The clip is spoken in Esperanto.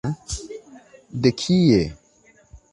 De kie?